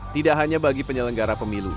tidak hanya bagi penyelenggara pemilu